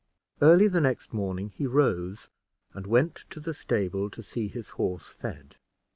Early the next morning he rose and went to the stable to see his horse fed.